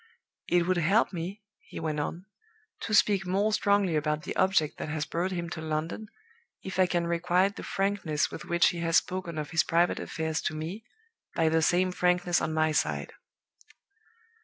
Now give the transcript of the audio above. It would help me,' he went on, 'to speak more strongly about the object that has brought him to London, if I can requite the frankness with which he has spoken of his private affairs to me by the same frankness on my side.